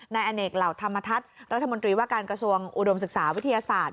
นายอเนกเหล่าธรรมทัศน์รัฐมนตรีว่าการกระทรวงอุดมศึกษาวิทยาศาสตร์